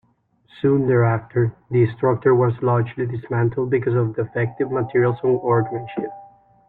Soon thereafter, the structure was largely dismantled because of defective materials and workmanship.